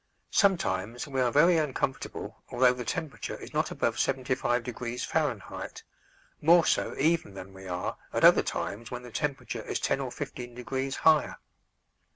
Sometimes we are very uncomfortable although the temperature is not above 75 degrees Fahrenheit, more so even than we are at other times when the temperature is ten or fifteen degrees higher.